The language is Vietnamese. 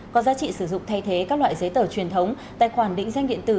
có giá trị sử dụng thay thế các loại giấy tờ truyền thống tài khoản định danh điện tử